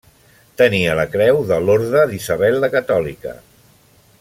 Tenia la Creu de l'Orde d'Isabel la Catòlica.